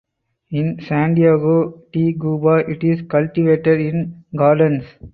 In Santiago de Cuba it is cultivated in gardens.